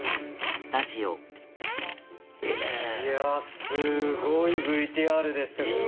いやすごいＶＴＲでしたけど。